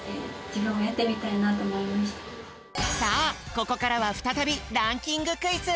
ここからはふたたびランキング・クイズ。